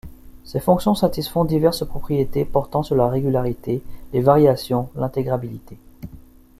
Ces fonctions satisfont diverses propriétés portant sur la régularité, les variations, l’intégrabilité...